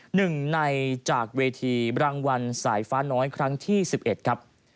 หนึ่งในจากเวทีรางวัลสายฟ้าน้อยครั้งที่๑๑ครับ